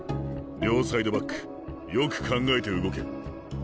両サイドバックよく考えて動け。